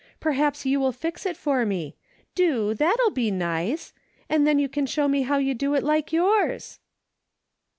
Perhaps you will fix it for me. Do, that'll be nice. Then j^ou can show me how to do it like yours."